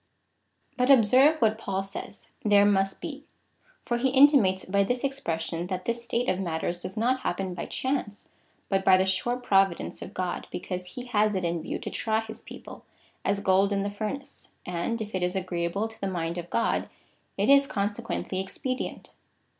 But observe what Paul says — there must he, for he inti mates by this expression, that this state of matters does not happen by chance, but by the sure providence of God, be cause he has it in view to try his people, as gold in the furnace, and if it is agreeable to the mind of God, it is, consequently, expedient.